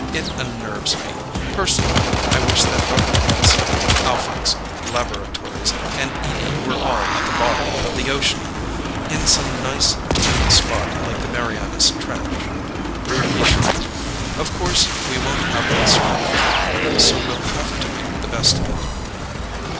"It unnerves me. Personally, I wish that Dr. Hanson, Alphax Laboratories, and Edie were all at the bottom of the ocean in some nice deep spot like the Mariannas Trench." He shrugged. "Of course, we won't have that sort of luck, so we'll have to make the best of it."